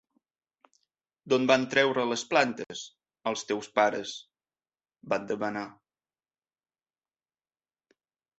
D'on van treure les plantes, els teus pares? —va demanar.